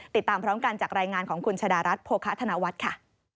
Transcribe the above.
ติดตามพร้อมกันจากรายงานของคุณชะดารัฐโภคะธนวัฒน์ค่ะ